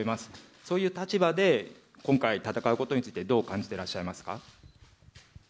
そういう立場で今回、戦うことについてどう感じてらっしゃいますか？